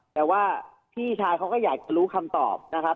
แต่ว่าพี่ชายเขาก็อยากรู้คำตอบนะครับ